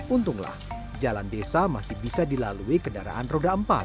untunglah jalan desa masih bisa dilalui kendaraan roda empat